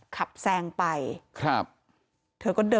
กลับรถ